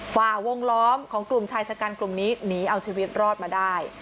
ฝ่าวงล้อมของกลุ่มชายชะกันกลุ่มนี้หนีเอาชีวิตรอดมาได้